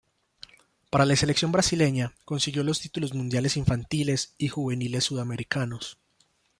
Para la selección brasileña, consiguió los títulos mundiales infantiles y juveniles sudamericanos.